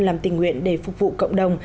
làm tình nguyện để phục vụ cộng đồng